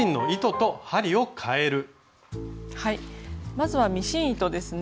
まずはミシン糸ですね。